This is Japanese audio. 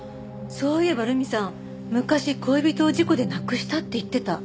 そういえば留美さん昔恋人を事故で亡くしたって言ってた。